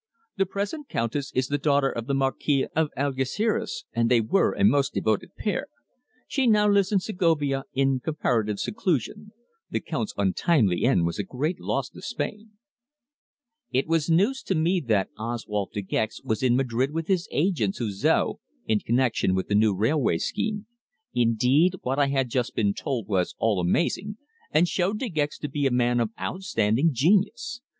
The present countess is the daughter of the Marquis Avellanosa of Algeciras, and they were a most devoted pair. She now lives in Segovia in comparative seclusion. The count's untimely end was a great loss to Spain." It was news to me that Oswald De Gex was in Madrid with his agent Suzor in connexion with the new railway scheme. Indeed, what I had just been told was all amazing, and showed De Gex to be a man of outstanding genius.